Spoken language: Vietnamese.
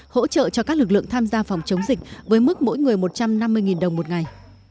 hỗ trợ cho các lực lượng tham gia phòng chống dịch với mức mỗi người một trăm năm mươi đồng một ngày